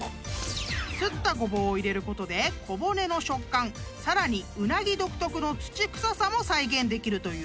［擦ったゴボウを入れることで小骨の食感さらにウナギ独特の土臭さも再現できるという］